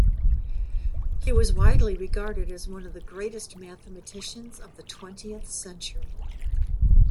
He was widely regarded as one of the greatest mathematicians of the twentieth century.